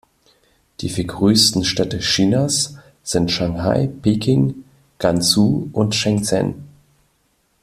Die vier größten Städte Chinas sind Shanghai, Peking, Guangzhou und Shenzhen.